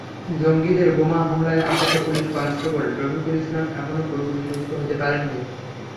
জঙ্গিদের বোমা হামলায় আহত পুলিশ কনস্টেবল রফিকুল ইসলাম এখনো পুরোপুরি সুস্থ হতে পারেননি।